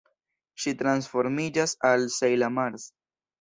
Ŝi transformiĝas al Sejla Mars.